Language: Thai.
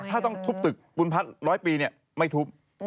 ถ้าต้องทุบตึกบุญพัฒน์ร้อยปีเนี่ยไม่ทุบ